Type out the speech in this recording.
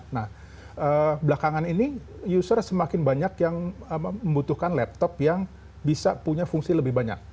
nah belakangan ini user semakin banyak yang membutuhkan laptop yang bisa punya fungsi lebih banyak